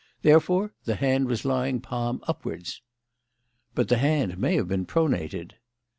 Therefore the hand was lying palm upwards." "But the hand may have been pronated."